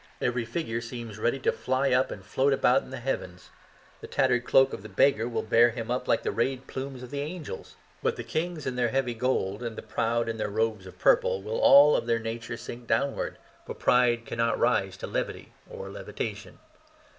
Every figure seems ready to fly up and float about in the heavens. The tattered cloak of the beggar will bear him up like the rayed plumes of the angels. But the kings in their heavy gold and the proud in their robes of purple will all of their nature sink downwards, for pride cannot rise to levity or levitation.